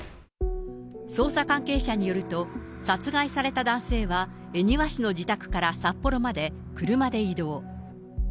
捜査関係者によると、殺害された男性は恵庭市の自宅から札幌まで車で移動。